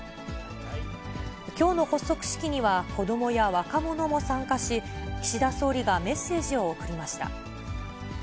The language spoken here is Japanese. きょうの発足式には、子どもや若者も参加し、岸田総理がメッセージを送りました。